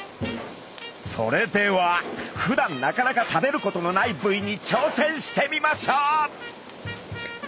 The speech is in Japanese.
それではふだんなかなか食べることのない部位に挑戦してみましょう！